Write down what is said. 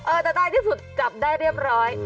เออแต่ใต้ที่สุดกลับได้เรียบร้อย